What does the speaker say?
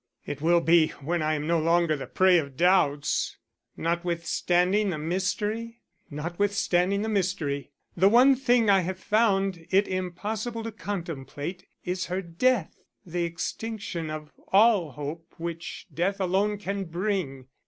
"It will be when I am no longer the prey of doubts." "Notwithstanding the mystery?" "Notwithstanding the mystery. The one thing I have found it impossible to contemplate is her death; the extinction of all hope which death alone can bring.